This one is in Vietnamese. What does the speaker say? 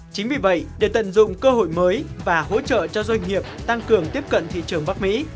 chính vì vậy để tận dụng cơ hội mới và hỗ trợ cho doanh nghiệp tăng cường tiếp cận thị trường bắc mỹ